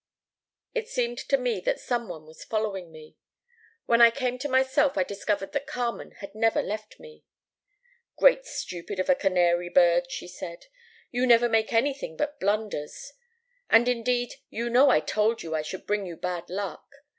It seemed to me that some one was following me. When I came to myself I discovered that Carmen had never left me. "'Great stupid of a canary bird!' she said, 'you never make anything but blunders. And, indeed, you know I told you I should bring you bad luck.